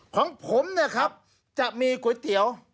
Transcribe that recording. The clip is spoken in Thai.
ของผมเนี่ยครับจะมีก๋วยเตี๋ยว